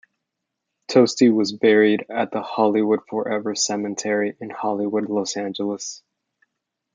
Tosti was buried at the Hollywood Forever Cemetery in Hollywood, Los Angeles.